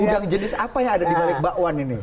gudang jenis apa yang ada di balik bakwan ini